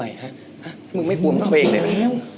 ถ้ามึงไม่กลัวมึงเอาไปเลย